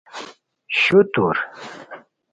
شوتور